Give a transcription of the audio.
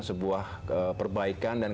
sebuah perbaikan dan